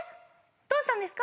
どうしたんですか？